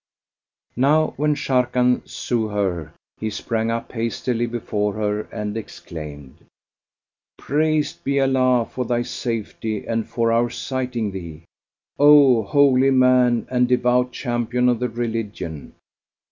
Now when Sharrkan sew her, he sprang up hastily before her and exclaimed, "Praised be Allah for thy safety and for our sighting thee, O holy man and devout champion of the Religion!"